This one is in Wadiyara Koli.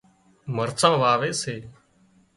مرسان واوي سي